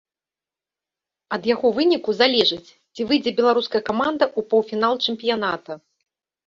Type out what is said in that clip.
Ад яго выніку залежыць, ці выйдзе беларуская каманда ў паўфінал чэмпіяната.